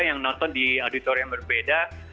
yang nonton di auditorium berbeda